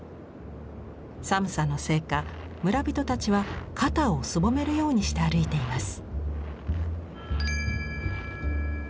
寒さのせいか村人たちは肩をすぼめるようにして歩いています。